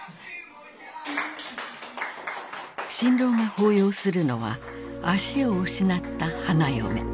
新郎が抱擁するのは足を失った花嫁。